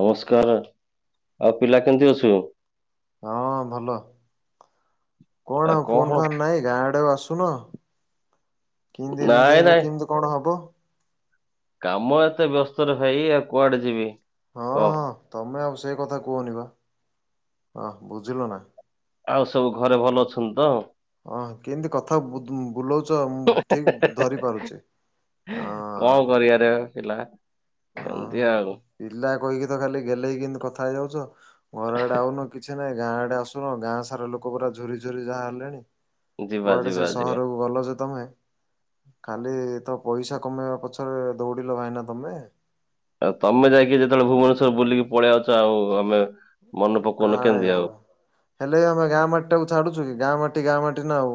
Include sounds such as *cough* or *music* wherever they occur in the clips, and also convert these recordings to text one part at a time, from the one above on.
ନମସ୍କାର ଆଉ ପିଲା କେମିତି ଅଛୁ ହଁ ଭଲ କଣ ଆଉ ଫୋନ୍ ଫୋନ୍ ନାଇଁ ଗାଁ ଆଡେକୁ ଆସୁନ କେମତି ଏମିତି ନାଇଁ ହେଲେ ନାଇଁ କେମିତି କଣ ହବ କାମ ଏତେ ବ୍ୟସ୍ତ ର ଭାଇ ଆଉ କୁଆଡେ ଯିବି ହଁ କହ? ହଁ ତମେ ଆଉ ସେଇ କଥା କୁହନ ବା ହ ବୁଝିଲ ନା ଆଉ ସବୁ ଘରେ ଭଲ ଅଛନ୍ତି ତ ଅ କେମିତି କଥା ବୁଲଉଛି ଠିକ ଧରି ପାରୁଛି ଅ ଆ ହେଲା ହ ପିଲା କହିକି ତ ଖାଲି ଗଲେ ହେି କେମତି କଥା ହେଇଯାଉଛ ଘର ଆଡେ ଆଉନ କିଛି ନାହିଁ ଗାଁ ଆଡେ ଆସୁନ ଗାଁ ସାରା ଲୋକ ପୁରା ଝୁରି ଝୁରି ଯାହା ହେଲେଣି ଯିବା କୁଆଡେ ସେ ଯିବା ଯିବା। ସହରକୁ ଭଲଛ ତମେ ଖାଲି ତ ପଇସା କମେଇବା ପଛରେ ଦୌଡିଲ ଭାଇନା ତମେ। ଆଉ ତମେ ଯାଇକି ଯେତେବେଳେ ଭୁବନେଶ୍ୱର ବୁଲି। ପଳେଇଆଉଛ ଆଉ ଆମେ। ମନେ ପକଉନ କେମିତି କାଇଁ ଆଉ। ହେଲେ ଆମେ ଗାଁ ମାଟିଟାକୁ ଛାଡୁଛୁ କି ଗାଁ ମାଟି ଗାଁ ମାଟି ନା ଆଉ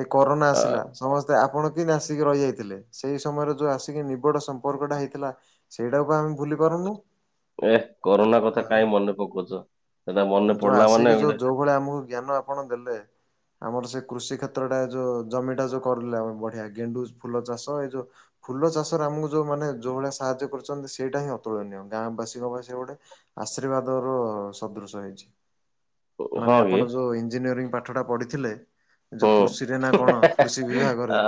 ଏଇ କରୋନା ଆ, ଆସିଲା। ସମସ୍ତେ ଆପଣ କେମିତି ଆସିକି ରହିଯାଇଥିଲେ ସେଇ ସମୟରେ ଯୋଉ ଆସିକି ନିବିଡ ସମ୍ପର୍କଟା ହେଇଥିଲା। ସେଇଟାକୁ ପା ଆମେ ଭୁଲି ପାରୁନୁ। ଏ କରୋନା କଥା ଆଉ କାଇଁ ମନେ ପକଉଛ ସେଟା ମନେ ପଡିଲା ମାନେ ଗୋଟେ ଯେଭଳି ଆମକୁ ଜ୍ଞାନ ଆପଣ ଦେଲେ। ଆମର ସେ କୃଷି କ୍ଷେତ୍ରଟା ଯୋଉ ଜମିଟା ଯୋଉ କରିରେ ଆମେ ବଢିଆ ଗେଣ୍ଡୁ ଫୁଲ ଚାଷ ଏଇ ଯୋଉ। ଫୁଲ ଚାଷରେ ଆମକୁ ଯୋଉ ମାନେ ଯଉ ଭଳିଆ ସାହାଯ୍ୟ କରୁଛନ୍ତି ସେଇଟା ହିଁ ଅତୁଳନୀୟ ଗାଁ ବାସୀଙ୍କ ପାଇଁ ସେ ଗୋଟେ ଆଶୀର୍ବାଦର ସଦୃଶ ହେଇଛି ମାନେ ହଁ କି ଆପଣ ଯୋଉ ଇଞ୍ଜିନିୟରିଂ ପାଠଟା ପଢିଥିଲେ। ଯୋଉ ହୁଁ। କୃଷିରେ ନା କଣ କୃଷି ବିଭାଗରେ ଆ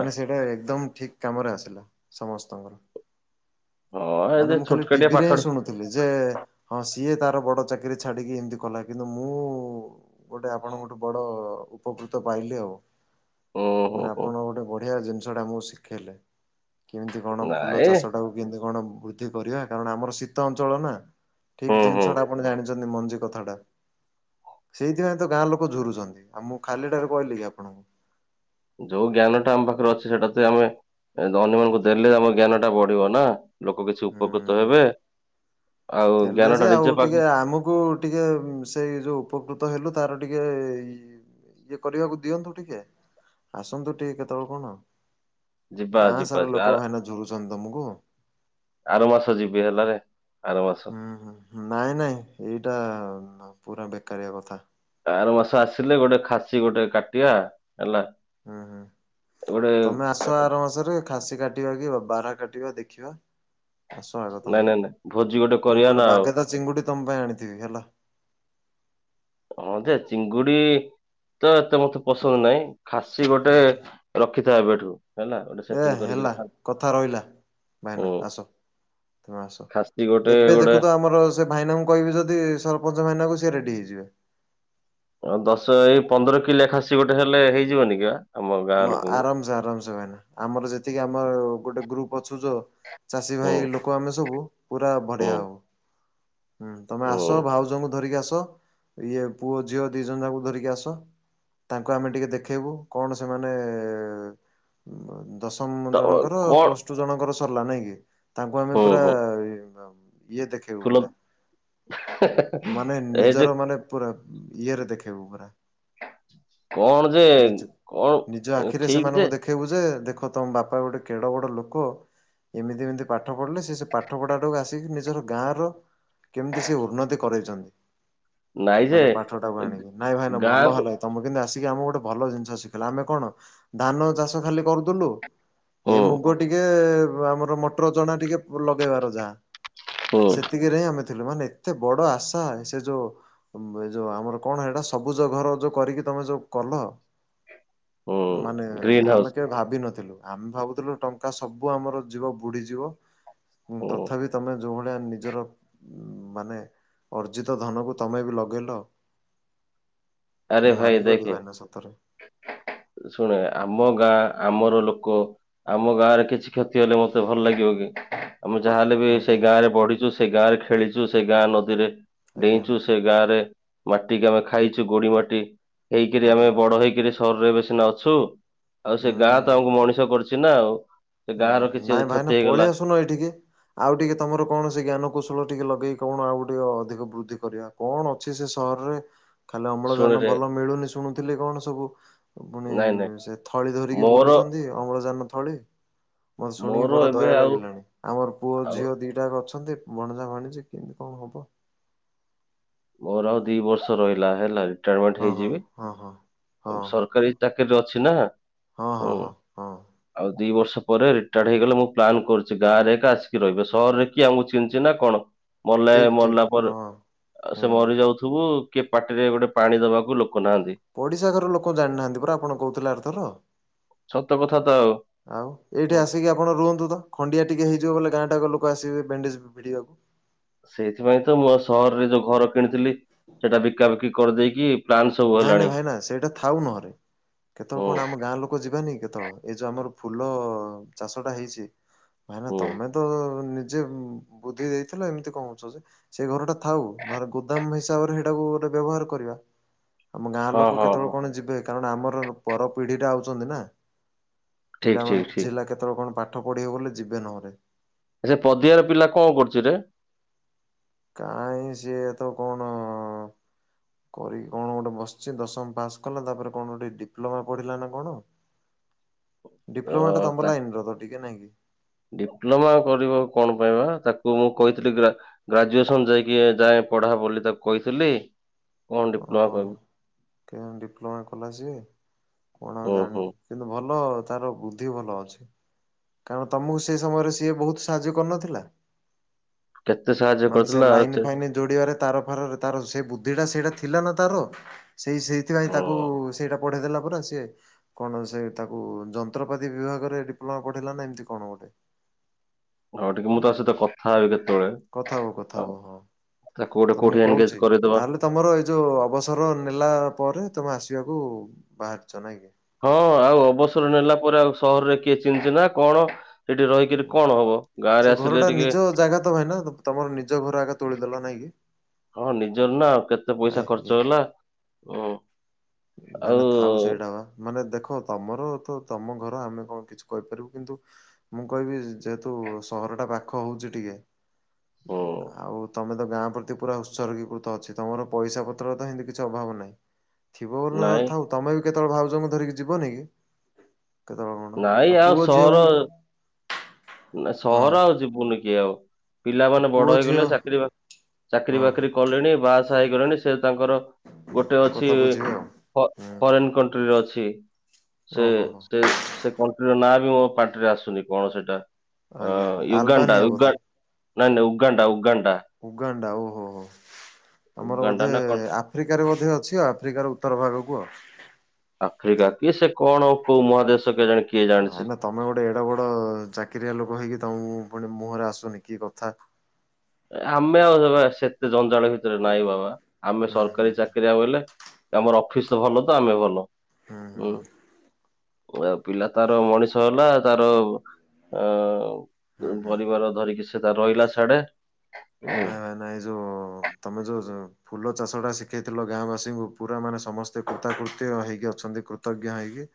ମାନେ ସେଇଟା ଏକଦମ ଠିକ। କାମରେ ଆସିଲା ସମସ୍ତଙ୍କର ହଁ ହଁ ମାନେ ଏ ମୁଁ ଖାଲି ଛୋଟକାଟିଆ ଟିଭିରେ ହିଁ ପାଠଟେ ଶୁଣୁ ଥିଲି ଯେ ସିଏ ତାର ବଡ ଚାକିରି ଛାଡିକି ଏମିତି କଲା କିନ୍ତୁ ମୁଁ ଗୋଟେ ଆପଣ ଗୋଟେ ବଡ ଉପକୃତ ପାଇଲେ ଆଉ। ହୁଁ ହୁଁ ମାନେ ହୁଁ ଆପଣ ଗୋଟେ ବଢିଆ ଜିନିଷଟା ଆମୁକୁ ଶିଖେଇଲେ। କେମିତି କଣ ଫୁଲ ନାଇଁ ଚାଷଟାକୁ କେମିତି କଣ ବୃଦ୍ଧି କରିବା କାରଣ ଆମର ଶୀତ ଅଞ୍ଚଳ ନା। ହୁଁ ଠିକ ହୁଁ ଜିନିଷଟା ଆପଣ ଜାଣିଛନ୍ତି ମଞ୍ଜି କଥାଟା। ସେଇଥିପାଇଁ ତ ଗାଁ ଲୋକ ଝୁରୁଛନ୍ତି ଆଉ ମୁଁ ଖାଲି ଟାରେ କହିଲି କି ଆପଣଙ୍କୁ। ଯୋଉ ଜ୍ଞାନଟା ଆମ ପାଖରେ ଅଛି ସେଟାତି ଆମେ ଅନ୍ୟମାନଙ୍କୁ ଦେଲେ ଆମ ଜ୍ଞାନଟା ବଢିବ ନା। ଲୋକ କିଛି ଉପକୃତ ହୁଁ। ହେବେ। ଆଉ ହେଲେ ଜ୍ଞାନ ଟା ଯେ ନିଜ ଆଉ ପାଖ ଟିକେ ଆମକୁ ଟିକେ ସେଇ ଯୋଉ ଉପକୃତ ହେଲୁ ତାର ଟିକେ ଇ ଇଏ କରିବାକୁ ଦିଅନ୍ତୁ ଟିକେ ଆସନ୍ତୁ ଟିକେ କେତେବେଳେ କଣ। ଯିବା ଗାଁ ଯିବା ସାରା ଯିବା ଆ ଲୋକ ଭାଇନା ଝୁରୁଛନ୍ତି ତମକୁ। ଆର ମାସ ଯିବି ହେଲାରେ ଆର ମାସ। ହୁଁ ହୁଁ ନାଇଁ ନାଇଁ ଏଇଟା ପୁରା ବେକାରିଆ କଥା। ଆର ମାସ ଆସିଲେ ଗୋଟେ ଖାସି ଗୋଟେ କାଟିବା ହେଲା। ହୁଁ ହୁଁ ଗୋଟେ ତମେ ଆସ ଆର ମାସରେ ଖାସି କାଟିବା କି ବାରା଼ହା କାଟିବା ଦେଖିବା। ଆସ ଆଗ ନାଇଁ ତମେ ନାଇଁ ନାଇଁ ଭୋଜି ମୁଁ କରିବା ନା ଗୋଟେ ଆଉ ବାଗେଦା ଚିଙ୍ଗୁଡି ତମ ପାଇଁ ଆଣିଥିବି ହେଲା। ହଁ ଯେ ଚିଙ୍ଗୁଡି ତ ଏତେ ମତେ ପସନ୍ଦ ନାହିଁ ଖାସି ଗୋଟେ ରଖିଥା ଏବେଠୁ ହେଲା। ଗୋଟେ ଏ ସେଟିଂ କରିକିରି ହେଲା ଖା- କଥା ରହିଲା ଭାଇନା ହୁଁ ଆସ। ତମେ ଆସ ଖାସି ଗୋଟେ ଏବେ ଗୋଟେ ଦେଖୁତ ଆମର ସେ ଭାଇନାଙ୍କୁ କହିବି ଯଦି ସରପଞ୍ଚ ଭାଇନାଙ୍କୁ ସିଏ ରେଡି ହେଇଯିବେ। ଆଉ ଦଶ ଏଇ ପନ୍ଦର କି ଲେଖା ଖାସି ଗୋଟେ ହେଲେ ହେଇଯିବନି କି ବା? ଆମ ଗାଁ ମା ଲୋକଙ୍କୁ। ଆରାମସେ ଆରାମସେ ଭାଇନା ଆମର ଯେତିକି ଆମର ଗୋଟେ ଗ୍ରୁପ ଅଛୁ ଯୋଉ। ଚାଷୀ ଭାଇ ହୁଁ ଲୋକ ଆମେ ସବୁ ପୁରା ହୁଁ ବଢିଆ ହବ। ହୁଁ ତୁମେ ଆସ ହୁଁ ଭାଉଜଙ୍କୁ ଧରିକି ଆସ ଇଏ ପୁଅ ଝିଅ ଦି ଜଣ ଯାଙ୍କୁ ଧରିକି ଆସ। ତାଙ୍କୁ ଆମେ ଟିକେ ଦେଖେଇବୁ କଣ ସେମାନେ ଏ ଉଁ ଦଶମ ତ ଜଣଙ୍କର କଣ ପ୍ଲସ ଟୁ ଜଣଙ୍କର ସରିଲା ନାଇଁ କି ତାଙ୍କୁ ଆମେ ହୁଁ ପୁରା ହୁଁ *unintelligible* ଇଏ ଦେଖ। ଫୁଲ ହେ ହେ ମାନେ ନିଜର ମାନେ ପୁରା ଇଏରେ ଦେଖେଇବୁ ପୁରା। କଣ ଯେ ନିଜ ନିଜ କଣ ଆଖିରେ ଠିକ ସେମାନଙ୍କୁ ଯେ ଦେଖେଇବୁ ଯେ ଦେଖ ତମ ବାପା ଗୋଟେ କେଡ ବଡ ଲୋକ। ଏମିତି ଏମିତି ପାଠ ପଢ଼ିଲେ ସେ ସେ ପାଠ ପଢ଼ାଟାକୁ ଆସିକି ନିଜର ଗାଁର। କେମିତି ସେ ଉନ୍ନତି ନାଇଁ କରେଇଛନ୍ତି ଯେ ମାନେ ପାଠ ଟାକୁ ଆଣିକି ନାଇଁ ଭାଇନା ଭଲ ଗାଁକୁ ହେଲା। ତମେ କିନ୍ତୁ ଆସିକି ଆମ ପଟେ ଭଲ ଜିନିଷ ଶିଖିଲ ଆମେ କଣ ଧାନ ଚାଷ ଖାଲି କରୁଥିଲୁ। ଏ ହୁଁ ମୁଗ ଟିକେ ଆମର ମଟର ଚଣା ଟିକେ ଲଗେଇବାର ଯାହା। ହୁଁ ସେତିକିରେ ହିଁ ଆମେ ଥିଲୁ ମାନେ ଏତେ ବଡ ଆଶା ସେ ଯୋଉ ଏ ଯୋଉ ଆମର କଣ ଏଇଟା ସବୁଜ ଘର ଯୋଉ କରିକି ତମେ ଯୋଉ କଲ। ମାନେ ହୁଁ ଗ୍ରୀନ୍ ଆମେ ହାଉସ୍ କେବେ ଭାବିିନଥିଲୁ। ଆମେ ଭାବୁଥିଲୁ ଟଙ୍କା ସବୁ ଆମର ଯିବ ବୁଢଯିବ ହୁଁ ତଥାପି ତୁମେ ଯେଉଁଭଳିଆ ନିଜର ମାନେ ଅର୍ଜିତ ଧନକୁ ତମେ ବି ଲଗେଇଲ ମାନିଗଲି ଭାଇନା ସତରେ। ଶୁଣ ଆମ ଗାଁ ଆମର ଲୋକ ଆମ ଗାଁ ରେ କିଛି କ୍ଷତି ହେଲେ ମତେ ଭଲ ଲାଗିବ କି। ଆମେ ଯାହାହେଲେ ବି ସେଇ ଆଜ୍ଞା ଗାଁରେ ବଢିଛୁ ସେ ଗାଁ ରେ ଖେଳିଛୁ ସେ ଗାଁ ନଦୀରେ ଆଜ୍ଞା ଡେଇଁଛୁ ସେ ଗାଁ ରେ ମାଟିି ଆମେ ଖାଇଛୁ ଗୋଡି ମାଟି ହେଇକରି ଆଜ୍ଞା ଆମେ ବଡ ହେଇକରି ସହରରେ ଏବେ ସିନା ଅଛୁ ଆଉ ସେ ହୁଁ ଗାଁ ତ ଆମକୁ ମଣିଷ କରୁଛି ନା ଆଉ। ସେ ଗାଁ ର କିଛି କ୍ଷତି ହେଇଗଲା ଶୁଣ ଏଇଠିକି। ଆଉ ଟିକେ ତମର କଣ ସେ ଜ୍ଞାନକୌଶଳ ଟିକେ ଲଗେଇ କଣ ଆଉ ଟିକେ ଅଧିକ ବୃଦ୍ଧି କରିବା। କଣ ଅଛି ସେ ସହରରେ ଖାଲି ଅମ୍ଳଜାନ ଶୁଣରେ ଭଲ ମିଳୁନି ଶୁଣୁଥିଲି କଣ ସବୁ ପୁଣି ନାଇଁ ନାଇଁ ସେ ଥଳି ଧରିକି ମୋର ବୁଲୁଛନ୍ତି ଅମ୍ଳଜାନ ଥଳି ମୋ ଶୁଣିକି ମୋର ବଡ ଏବେ ଦୟା ଆଉ ଲାଗିଲାଣି ଆମର ପୁଅ ଆଉ ଝିଅ ଦିଟାକ ଅଛନ୍ତି ଭଣଜା ଭାଣିଜି କେମତି କଣ ହବ ମୋର ଆଉ ଦି ବର୍ଷ ରହିଲା ହେଲା ରିଟାୟାରମେଣ୍ଟ ହଁ ହଁ ହେଇଯିବି ହଁ ହଁ ହଁ ସରକାରୀ ଚାକିରି ଅଛି ନା ହଁ ହୁଁ। ହଁ ହଁ ହଁ ଆଉ ଦି ବର୍ଷ ପରେ ରିଟାୟାର୍ଡ ହେଇଗଲେ ମୁଁ ପ୍ଲାନ୍ କରୁଛି ଗାଁରେ ଏକ ଆସିକି ରହିବେ ସହରରେ କିଏ ଆମକୁ କିିହଛି ନା କଣ। ମଲେ ଠିକ ଠିକ ମଲାପରେ ହଁ ହୁଁ ସେ ମରି ଯାଉଥିବୁ କିଏ ପାଟିରେ ଗୋଟେ ପାଣି ଦବାକୁ ଲୋକ ନାହାନ୍ତି। ପଡିଶା ଘର ଲୋକ ଜାଣିନାହାନ୍ତି ପୁରା ଆପଣ କହୁଥିଲେ ଆରେଥର। ସତ କଥା ତ ଆଉ ଆଉ ଏଇଠି ହୁଁ। ଆସିକି ଆପଣ ରୁହନ୍ତୁ ତ ଖଣ୍ଡିଆ ଟିକେ ହେଇଯିବ ବୋ ଗାଁଟାକ ଲୋକ ଆସିବେ ବ୍ୟାଣ୍ଡେଜ୍ ଭିଡ଼ିବାକୁ। ସେଇଥିପାଇଁ ତ ମୁଁ ସହରରେ ଯୋଉ ଘର କିଣିଥିଲି ସେଟା ବିକାବିକି କରିଦେଇକି ପ୍ଲାନ୍ ସବୁ ନାଇଁ ନାଇଁ ହେଲାଣି ଭାଇନା ସେଇଟା ଥାଉ ନହରେ କେତେବେଳେ ହୁଁ କଣ ଆମ ଗାଁ ଲୋକ ଯିବାନି କେତେବେଳେ। ଏଇ ଯୋଉ ଆମର ଫୁଲ ଚାଷ ଟା ହେଇଛି ଭାଇନା ହୁଁ ତମେ ତ ନିଜେ ବୁଦ୍ଧି ଦେଇଥିଲ ଏମିତି କହୁଛ ଯେ। ସେ ଘରଟା ଥାଉ ନହଲେ ଗୋଦାମ ହିସାବରେ ସେଇଟାକୁ ଗୋଟେ ବ୍ୟବହାର କରିବା। ଆମ ଗାଁ ହଁ ଲୋକ ହଁ କେତେବେଳେ ହଁ କଣ ଯିବେ କାରଣ ଆମର ପର ପିଢିଟା ଆଉଛନ୍ତି ନା। ଠିକ୍ ଠିକ୍ ପିଲାମାନେ ଠିକ୍ କେତେବେଳେ କଣ ପାଠ ପଢିବେ ବଲି ଯିବେ ନହେଲେ। ସେ ପଦିଆ ର ପିଲା କଣ କରୁଛିରେ। କାଁ ସିଏ ତ କଣ କରିକି କଣ ଗୋଟେ ବସିଛି ଦଶମ ପାସ୍ କଲା ତାପରେ କଣ ଗୋଟେ ଡିପ୍ଲୋମା ପଢିଲା ନା କଣ ଅ ଡିପ୍ଲୋମା ଟା ତମ ତା ଲାଇନ ର ତ ଟିକେ ନାଇଁ କି ଡିପ୍ଲୋମା କରିବ କଣ ପାଇଁ ବା ତାକୁ ମୁଁ କହିଥିଲି ଗ୍ରା ଗ୍ରାଜୁଏସନ ଯାଇକି ଯାଏ ପଢା ବୋଲି ତାକୁ କହିଥିଲି। କଣ ହଁ ଡିପ୍ଲୋମା ପାଇଁ କେ ଡିପ୍ଲୋମା କଲା ସିଏ କଣ ଆଉ ହୁଁ ହୁଁ ଜାଣିନି। କିନ୍ତୁ ଭଲ ତାର ବୁଦ୍ଧି ଭଲ ଅଛି। କାରଣ ତମକୁ ସେ ସମୟରେ ସିଏ ବହୁତ ସାହାଯ୍ୟ କରିନଥିଲା। କେତେ ସାହାଯ୍ୟ ମାନେ କରୁଥିଲା ଆଉ ଲାଇନ ସେ। ଫାଇନ ଯୋଡିବାରେ ତାର ଫାରରେ ତାର ସେ ବୁଦ୍ଧିଟା ସେଇଟା ଥିଲା ନା ତାର ସେଇ ସେଇଥିପାଇଁ ହୁଁ ତାକୁ ସେଇଟା ପଢେଇ ଦେଲା ପରେ ସିଏ କଣ ସେ ତାକୁ ଯନ୍ତ୍ରପାତି ବିଭାଗରେ ଡିପ୍ଲୋମା ପଠେଇଲା ନା ଏମତି କଣ ଗୋଟେ। ହଁ ଟିକେ ମୁଁ ତା ସହିତ କଥା ହେବି କେତେବେଳେ କଥା ହୁଅ କଥା ଆଉ ହୁଅ ହଁ ତାକୁ ଗୋଟେ ତ ମୁଁ କୋଉଠି ଏନଗେଜ କହୁଛି। କରିଦବା। ତାହେଲେ ତମର ଏଇ ଯୋଉ ଅବସର ନେଲା ପରେ ତମେ ଆସିବାକୁ ବାହାରିଛ ନାଇ। ହଁ ଆଉ ଅବସର ନେଲା ପରେ ଆଉ ସହରରେ କିଏ ଚିଛି ନା କଣ ସେଠି ରହିକିରି କଣ ହବ ଗାଁରେ ସେ ଘର ଆସିଲେ ଟା ଟିକେ ନିଜ ଜାଗା ତ ଭାଇନା ତମର ନିଜ ଘର ଆଗ ତୋଳିଦେଲ ନାଇଁ କି? ହଁ ନିଜର ନା ଆ କେତେ ପଇସା ଆଏ ଇଏ ଖର୍ଚ୍ଚ ହେଲା ଅ। ଭାଇନା ଥାଉ ସେଇଟା ବା। ମାନେ ଦେଖ ତମର ତ ତମ ଘର ଆମେ କଣ କିଛି କହିପାରିବୁ କିନ୍ତୁ ମୁଁ କହିବି ଯେହେତୁ ସହରଟା ପାଖ ହେଉଛି ଟିକେ ହୁଁ ଆଉ ତମେ ତ ଗାଁ ପ ପୁରା ଉତ୍ସର୍ଗୀକୃତ ଅଛି ତମର ପଇସା ପତ୍ରର ତ ଏମିତି କିଛି ଅଭାବ ନାହିଁ। ଥିବ ବୋଲି ନାଇଁ ନଥାଉ ତମେ ବି କେତେବେଳେ ଭାଉଜଙ୍କୁ ଧରିକି ଯିବନି କି? କେତେବେଳେ ମନ ନାଇଁ ଆଉ ପୁଅ ଝିଅ ସହର ବି ନା ହଁ ସହର ଆଉ ଯିବୁନି କି ଆଉ। ଆଉ ପିଲାମାନେ ପୁଅ ବଡ ଝିଅ ହେଇଗଲେ ଚାକିରି ବାକି ଚାକିରି ହଁ ହଁ ବାକିରି କଲେଣି ବାହାସାହା ହେଇଗଲେଣି ସେ ତାଙ୍କର ଗୋଟେ ଅଛି କଥା ବୁଝିବେ ଆଉ। ପ ହୁଁ ଫରେନ୍ କଣ୍ଟ୍ରିରେ ଅଛି। ସେ ଓହୋ ହୋ ସେ ସେ କଣ୍ଟ୍ରିର ନାଁ ବି ମୋ ପାଟିରେ ଆସୁନି କଣ ସେଇଟା। ଆଜ୍ଞା ହଁ ଆଜ୍ଞା ୟୁଗାଣ୍ଡା ଆଲବାନିଆ ୟୁଗା ବୋଧେ ନାଇଁ ନାଇଁ ଉଗାଣ୍ଡା ଉ ଉଗାଣ୍ଡା ଓହୋ ହୋ ଆମର ଉଗାଣ୍ଡା ବୋଧେ ନା କଣ ଆ ଆଫ୍ରିକାରେ ବୋଧେ ଅଛି ଆଉ ଆଫ୍ରିକାର ଉତ୍ତର ଭାଗକୁ ଆଉ। ଆଫ୍ରିକା କି ସେ କଣ କୋଉ ମହାଦେଶ କେଜାଣି? କିଏ ଜାଣିଛି। ଭାଇନା ତମେ ଗୋଟେ ଏଡ ବଡ ଚାକିରିଆ ଲୋକ ହେଇକି ତମ ପୁଣି ମୁହଁରେ ଆସୁନି କି କଥା। ଆମେ ଆଉ ସେତେ ଜଞ୍ଜାଳ ଭିତରେ ନାଇଁ ବାବା ଆମେ ହୁଁ ହୁଁ ସରକାରୀ ହୁଁ ଚାକିରିଆ ବଲେ। ଆମର ଅଫିସ୍ ଭଲ ତ ଆମେ ଭଲ ହୁଁ। ଆ ପିଲା ତାର ମଣିଷ ହେଲା ତାର ହୁଁ ହୁଁ ଅ ହୁଁ ପରିବାର ଧରିକି ସେ ତା ରହିଲା ସିଆଡେ। ନାଇଁ ଭାଇନା ଏଇ ଯୋଉ ତମେ ଯୋଉ ଯଉ ଫୁଲ ଚାଷଟା ଶିଖେଇଥିଲ ଗାଁବାସୀଙ୍କୁ ପୁରା ମାନେ ସମସ୍ତେ କୃତାକୃତ୍ୟ ହେଇକି ଅଛନ୍ତି କୃତଜ୍ଞ ହେଇକି।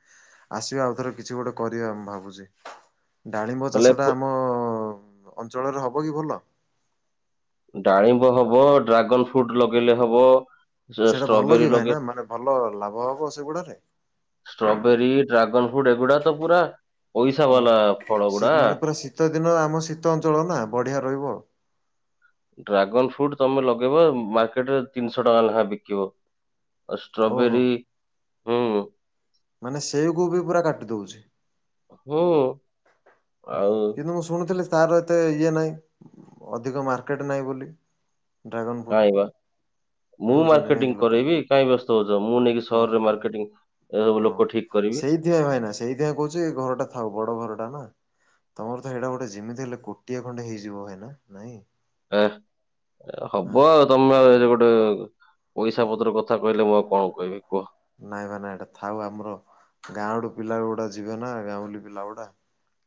ଆସିବା ଆଉ ଥର କିଛି ଗୋଟେ କରିବା ମୁଁ ଭାବୁଛି। ଡାଳିମ୍ବ ହେଲେ ଚାଷଟା ଆମ ଅଞ୍ଚଳରେ ହବ କି ଭଲ? ଡାଳିମ୍ବ ହବ ଡ୍ରାଗନ ଫ୍ରୁଟ୍ ଲଗେଇଲେ ହବ। ସେଇଟା ଭଲ ଷ୍ଟ୍ରବେରୀ କି ଲଗେଇ ଭାଇନା ମାନେ ଭଲ ଲାଭ ହବ ସେଗୁଡାରେ? ଷ୍ଟ୍ରବେରୀ ଡ୍ରାଗନ୍ ଫ୍ରୁଟ୍ ଏଗୁଡା ତ ପୁରା ପଇସା ଓହୋ। ବାଲା ଫଳ ଶୀ ଗୁଡା। ମାନେ ପୁରା ଶୀତ ଦିନ ଆମ ଶୀତ ଅଞ୍ଚଳ ନା ବଢିଆ ରହିବ। ଡ୍ରାଗନ୍ ଫ୍ରୁଟ୍ ତମେ ଲଗେଇବ ମାର୍କେଟ ରେ ତିନିଶହ ଟଙ୍କା ଲେଖାଏଁ ବିକିବ। ଆ ଓହୋ। ଷ୍ଟ୍ରବେରୀ ହୁଁ। ମାନେ ସେଉ କୁ ବି ପୁରା କାଟି ଦଉଛି। ହୁଁ। ଆଉ କିନ୍ତୁ ମୁଁ ଶୁଣୁଥିଲି ତାର ଏତେ ଇଏ ନାହିଁ ଅଧିକ ମାର୍କେଟ ନାହିଁ ବୋଲି। ଡ୍ରାଗନ ଫ୍ରୁଟ୍ କାଇଁବା ମୁଁ କିଣୁଛନ୍ତି ନାଇଁ କି ମାର୍କେଟିଂ ଲୋକ କରେଇବି କାଇଁ ବ୍ୟସ୍ତ ହଉଛ ମୁଁ ନେଇକି ହଁ ସହରରେ ହଁ ହଁ ମାର୍କେଟିଂ। ଏସବୁ ଲୋକ ଠିକ୍ କରିବି। *inaudible* ଭାଇ ନା ସେଇଥିପାଇଁ କହୁଛି ଏ ଘରଟା ଥାଉ ବଡ ଘରଟା ନା? ତମର ତ ହେଇଟା ଗୋଟେ ଯେମିତି ହେଲେ କୋଟିଏ ଖଣ୍ଡେ ହେଇଯିବ ଭାଇନା ନାଇଁ? ଏ ଆଁ ହବ ତମେ ଏ ଗୋଟେ ପଇସା ପତ୍ର କଥା କହିଲେ ମୁଁ ଆଉ କଣ କହିବି କୁହ? ନାଇଁ ବା ନାଇଁ ଏଟା ଥାଉ ଆମର ଗାଁ ଆଡୁ ପିଲା ଗୁଡା ଯିବେ ନା ଗାଉଁଲି ପିଲା ଗୁଡା।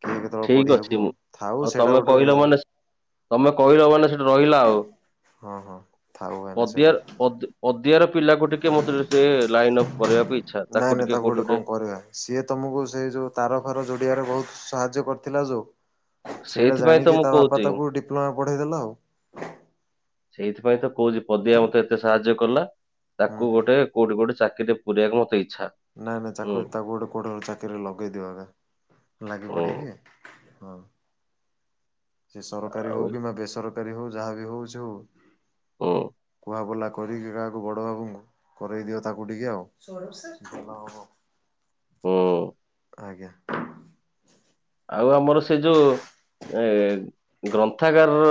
କିଏ କେତେବେଳେ ଠିକ ଅଛି ପଢିବାକୁ ଆଉ ମୁଁ ଥାଉ ଆଉ ସେଇଟା ତମେ ଗୋଟେ କହିଲ ମାନେ ତମେ କହିଲ ମାନେ ସେଠି ରହିଲା ଆଉ। ହଁ ହଁ ଥାଉ ଭାଇନା ସେଇଟା। ଅଦିଆ ର ପିଲାକୁ ଟିକେ ମୋତେ ସେ ଲାଇନ ଅପ୍ କରିବାକୁ ଇ ନାଇଁ ନାଇଁ ତାକୁ ଗୋଟେ କଣ କରିବା। ସିଏ ତମକୁ ସେଇ ଯୋଉ ତାର ଫାର ଯୋଡିବାରେ ବହୁତ ସାହାଯ୍ୟ କରିଥିଲା ଯୋଉ। ସେଇଟା ସେଇଥିପାଇଁ ତ ଜାଣିକି ମୁଁ ତା ବାପା କହୁଛି ତାକୁ ଡିପ୍ଲୋମା ପଢେଇଦେଲା ଆଉ। ସେଇଥିପାଇଁ ତ କହୁଛିି ପଦିଆ ମତେ ଏତେ ସାହାଯ୍ୟ କଲା। ହୁଁ ତାକୁ ହୁଁ ଗୋଟେ କୋଉଠି ଗୋଟେ ଚାକିରି ରେ ପୁରେଇବାକୁ ମୋତେ ଇଚ୍ଛା। ନାଇଁ ନାଇଁ ହୁଁ ଚାକୁ ତାକୁ ଗୋଟେ କୋଉଠି ଚାକିରି ରେ ଲଗେଇଦିଅ ଏକା ଲାଗି ହୁଁ ପଡକି। ହଁ। ସେ ସରକାରୀ ଆଉ ହଉ କିମ୍ବା ବେସରକାରୀ ହଉ ଯାହା ବି ହଉଛି ହଉ। ହଁ। ବା ବୁଲା କରିକି କାହାକୁ ବଡ ବାବୁଙ୍କୁ କରେଇ ଦିଅ ତାକୁ ଟିକେ ଆଉ। ହୁଁ। ଆଜ୍ଞା। ଆଉ ଆମର ସେ ଯୋଉ ଏ, ଗ୍ରନ୍ଥାଗାରାର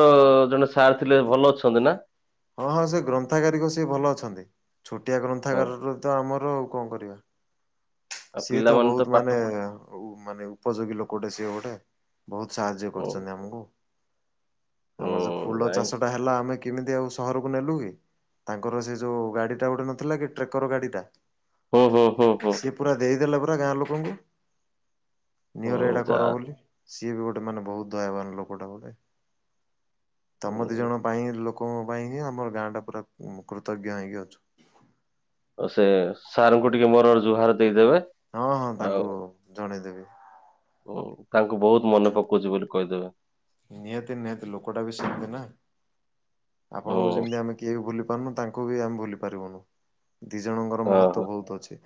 ଜଣେ ସାର୍ ଥିଲେ ଭଲ ଅଛନ୍ତି ନା? ହଁ, ହଁ ସେ ଗ୍ରନ୍ଥାଗାରିକ ସିଏ ଭଲ ଅଛନ୍ତି। ଛୋଟିଆ ହଁ ଗ୍ରନ୍ଥାଗାରର ତ ଆମର ଆଉ କଣ କରିବା। ଆଉ ସିଏ ତ ପିଲାମାନେ ବହୁତ ପାଠ ମାନେ ପଢୁ ହଉ ମାନେ ଉପଯୋଗୀ ଲୋକଟେ ସିଏ ଗୋଟେ। ବହୁତ ସାହାଯ୍ୟ ହୁଁ କରିଛନ୍ତି ଆମକୁ। ଆମର ଯୋଉ ହୁଁ ଫୁଲ ନାଇଁ ଚାଷଟା ହେଲା ଆମେ କିମିତି ଆଉ ସହରକୁ ନେଲୁ କି? ତାଙ୍କର ସେ ଯୋଉ ଗାଡିଟା ଗୋଟେ ନଥିଲା କି ଟ୍ରେକର୍ ଗାଡିଟା। ହୋ, ହୋ, ହୋ, ହୋ। ସିଏ ପୁରା ଦେଇଦେଲା ପରା ଗାଁ ଲୋକଙ୍କୁ, ନିଅରେ ହୁଁ ଏଇଟା ଯା କର ବୋଲି। ସିଏ ବି ଗୋଟେ ମାନେ ବହୁତ ଦୟାବାନ ଲୋକଟା ଗୋଟେ। ତୋମ ଦି ହୁଁ। ଜଣ ପାଇଁ ଲୋକଙ୍କ ପାଇଁ ହିଁ, ଆମର ଗାଁଟା ପୁରା ଉଁ, କୃତଜ୍ଞ ହେଇକି ଅଛୁ। ଅ, ସେ ସାର୍ ଙ୍କୁ ଟିକେ ମୋର ଜୁହାର ଦେଇଦେବେ। ହଁ, ହଁ ତାଙ୍କୁ ଜଣେଇଦେବି। ହୁଁ, ତାଙ୍କୁ ବହୁତ ମନେ ପକଉଚି ବୋଲି କହିଦେବେ। ନିହାତି, ନିହାତି, ଲୋକଟା ବି ସେମିତି ନା। ହୁଁ ଆପଣଙ୍କୁ ଯେମିତି ଆମେ କିଏ ବି ଭୁଲି ପାରୁନୁ। ତାଙ୍କ କୁ ବି ଆମେ ଭୁଲି ପାରିବୁନୁ। ଦି ଜଣଙ୍କର ହଁ ହଁ ମହତ୍ଵ ବହୁତ ଅଛି।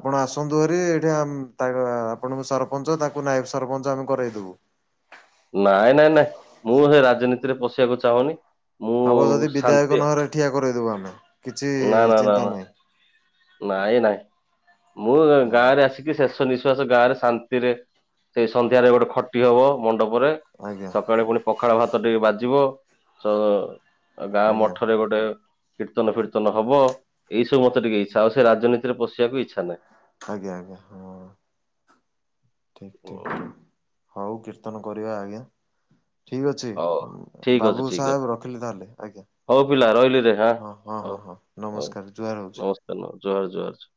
ଆପଣ ଆସନ୍ତୁ ହେରି। ଏଇଠି ଆମ ତାଙ୍କ ଆ, ଆପଣଙ୍କୁ ସରପଞ୍ଚ, ତାଙ୍କୁ ନାୟକ ସରପଞ୍ଚ ଆମେ କରେଇଦବୁ। ନାଇଁ, ନାଇଁ, ନାଇଁ, ମୁଁ ସେ ରାଜନୀତିରେ ପଶିବାକୁ ଚାହୁଁନି। ମୁଁ ହବ ଯଦି ବିଧାୟକ ଶାନ୍ତି ନହଲେ ଠିଆ କରେଇଦବୁ ଆମେ। କିଛି ନା ନା ନା ନା ଚିନ୍ତା ନାହିଁ। ନାଇଁ, ନାଇଁ ମୁଁ ଆଜ୍ଞା ଗାଁରେ ଆସିି କି ଶେଷ ନିଶ୍ୱାସ ଗାଁରେ ଶାନ୍ତିରେ ସେଇ ସନ୍ଧ୍ୟାରେ ଗୋଟେ ଖଟି ହବ ମଣ୍ଡପରେ। ଆଜ୍ଞା ସକାଳେ ପୁଣି ପଖାଳ ଭାତ ଟିକେ ବାଜିବ। ସ ଆ, ଗାଁ ଆଜ୍ଞା ମଠରେ ଗୋଟେ କୀର୍ତ୍ତନ ଫିର୍ତ୍ତନ ହବ। ଏଇସବୁ ମୋତେ ଟିକେ ଇଚ୍ଛା। ଆଉ ସେ ରାଜନୀତିରେ ପଶିବାକୁ ଇଚ୍ଛା ନାହିଁ। ଆଜ୍ଞା, ଆଜ୍ଞା ଠିକ୍, ଠିକ୍, ନାହିଁ। ଠିକ୍। ହଉ କୀର୍ତ୍ତନ କରିବା ଆଜ୍ଞା। ଠିକ ଅଛି ହଉ ଠିକ୍ ଅଛି ବାବୁ ଠିକ୍ ଅଛି ସାହେବ ରଖିଲି ତାହେଲେ ଆଜ୍ଞା। ହଉ ପିଲା ରହିଲିରେ ହାଁ। ହଁ, ହଁ, ହଁ, ହଉ ହଁ ହଉ ନମସ୍କାର। ଜୁହାର ହଉଛି। *unintelligible* ଜୁହାର ଜୁହାର।